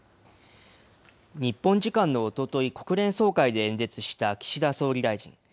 日本時間のおととい、国連総会で演説した岸田総理大臣。